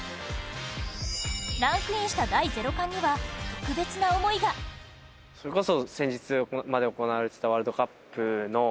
ランクインした『第ゼロ感』には特別な思いがそれこそ。